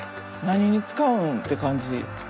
何に使うんて感じ。